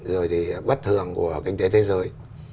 rồi thì bất thường của kinh tế thế giới